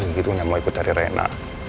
segitunya mau ikut dari reina